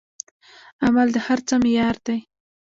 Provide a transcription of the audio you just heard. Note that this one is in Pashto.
عمل د هر څه معیار دی.